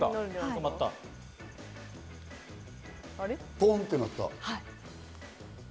ポンっと鳴った。